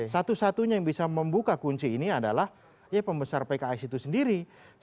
satu satunya yang bisa membuka kunci ini adalah ya pembesar pks itu sendiri